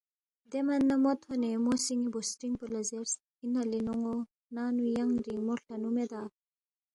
دے من نہ مو تھونے مو سی ن٘ی بُوسترِنگ پو لہ زیرس، اِنا لے نون٘و ننگ نُو ینگ رِینگمورے ہلٹنُو میدا؟